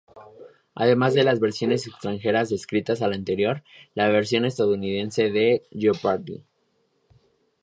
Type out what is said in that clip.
Además de las versiones extranjeras descritas al anterior, la versión estadounidense de "Jeopardy!